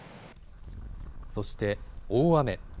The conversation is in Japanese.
そして、大雨。